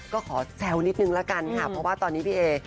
ก็ขอแซวนิดนึงละกันค่ะเพราะว่าตอนนี้พี่เอ